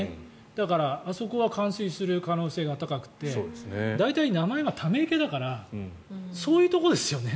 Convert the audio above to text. だから、あそこは冠水する可能性が高くて大体、名前が溜池だからそういうところですよね。